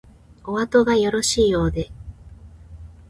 おあとがよろしいようで